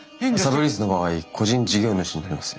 サブリースの場合個人事業主になります。